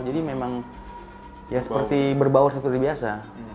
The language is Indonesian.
jadi memang ya seperti berbaur seperti biasa